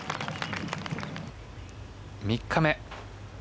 ３日目。